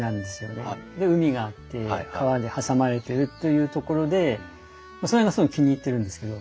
で海があって川で挟まれてるというところでそれがすごい気に入ってるんですけど。